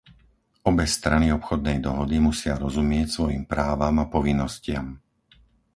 Obe strany obchodnej dohody musia rozumieť svojim právam a povinnostiam.